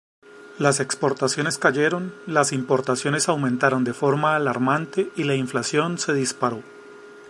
Las exportaciones cayeron, las importaciones aumentaron de forma alarmante y la inflación se disparó.